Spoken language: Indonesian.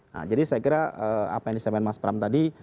nah jadi saya kira apa yang disampaikan mas pram tadi